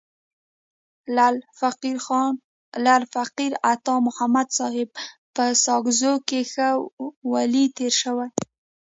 لعل فقیر عطا محمد صاحب په ساکزو کي ښه ولي تیر سوی.